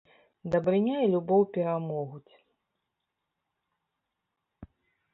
Дабрыня і любоў перамогуць!